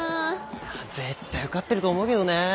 いや絶対受かってると思うけどね。